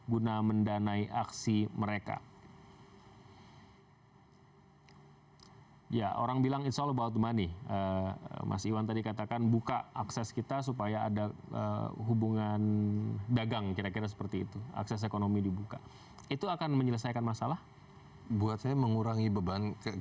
guna mendanai aksi mereka